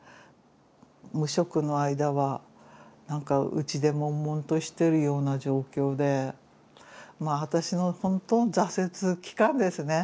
無職の間は何かうちでもんもんとしてるような状況でまあ私の本当の挫折期間ですね。